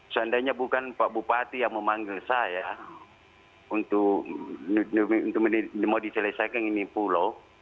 seandainya bukan pak bupati yang memanggil saya untuk mau diselesaikan ini pulau